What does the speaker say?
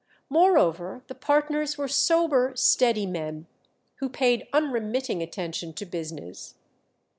Moreover, the partners were sober, steady men, who paid unremitting attention to business.